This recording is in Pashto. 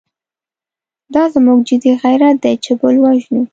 دا زموږ جدي غیرت دی چې بل ووژنو.